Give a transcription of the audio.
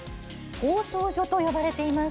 放送所と呼ばれています。